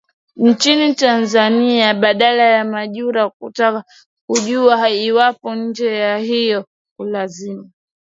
nchini tanzania abdala majura kutaka kujua iwapo njia hiyo kumaliza